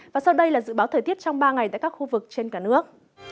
và sau đây là dự báo thời tiết trong ba ngày tại các khu vực trên cả nước